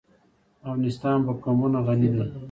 افغانستان په قومونه غني دی.